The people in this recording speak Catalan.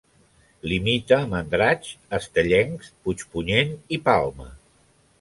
Limita amb Andratx, Estellencs, Puigpunyent i Palma.